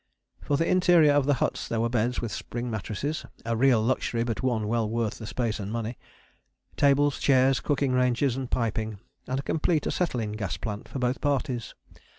For the interior of the huts there were beds with spring mattresses a real luxury but one well worth the space and money, tables, chairs, cooking ranges and piping, and a complete acetylene gas plant for both parties.